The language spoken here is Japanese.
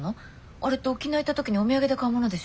あれって沖縄行った時にお土産で買うものでしょ。